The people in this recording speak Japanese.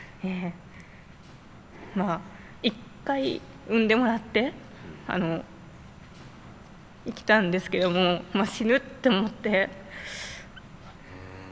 まあ一回産んでもらってあの生きたんですけどもまあ死ぬって思って。